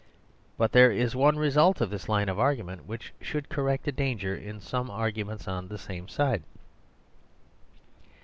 But there is one result of this line of argument which should correct a danger in some arguments on the same side.